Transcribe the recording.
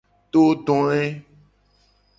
Todoe.